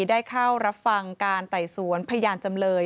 ได้เข้ารับฟังการไต่สวนพยานจำเลย